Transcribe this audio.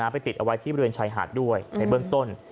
ไปติดเอาไว้ที่บริเวณชายหาดด้วยในเบื้องต้น